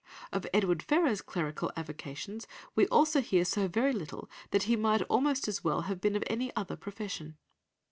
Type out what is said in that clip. Of Edward Ferrars' clerical avocations we also hear so very little that he might almost as well have been of any other profession.